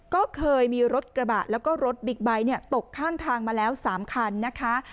ก็เคยมีรถกระบะแล้วก็รถบิ๊กไบท์ตกข้างทางมาแล้ว๓คันนะคะ